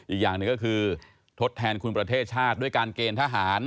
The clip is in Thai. อีกอย่างหนึ่งก็คือทดแทนคุณประเทศชาติด้วยการเกณฑ์ทหาร